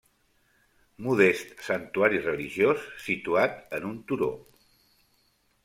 Modest santuari religiós situat en un turó.